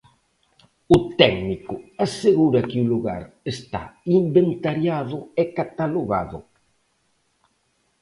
O técnico asegura que o lugar está inventariado e catalogado.